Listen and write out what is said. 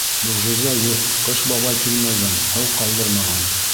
— Мөғжизә юҡ, Ҡыш бабай килмәгән, һыу ҡалдырмаған.